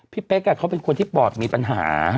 เป๊กเขาเป็นคนที่ปอดมีปัญหา